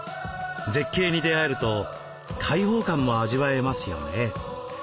絶景に出会えると開放感も味わえますよね。